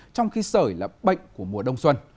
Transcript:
trong khi sởi là bệnh của mùa đông xuân